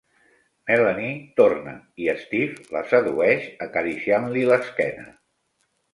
Melanie torna i Steve la sedueix, acariciant-li l"esquena.